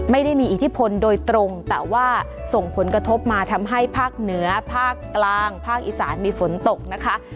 ไม่ได้มีอิทธิพลโดยตรงแต่ว่าส่งผลกระทบมาทำให้ภาคเหนือภาคกลางภาคอีสานมีฝนตกนะคะ